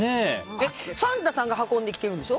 サンタさんが運んできてるんでしょ？